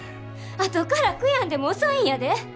あとから悔やんでも遅いんやで。